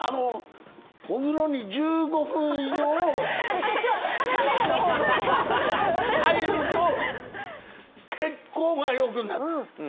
お風呂に１５分以上入ると、血行が良くなる。